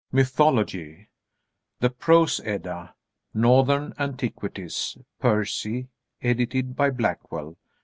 MYTHOLOGY The Prose Edda, "Northern Antiquities," Percy, edited by Blackwell.